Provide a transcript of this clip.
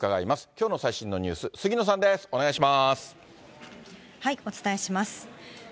きょうの最新のニュース、杉野さお伝えします。